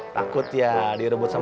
takut ya direbut oleh tatang ya